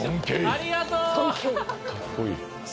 ありがとう！